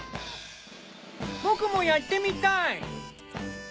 僕もやってみたい。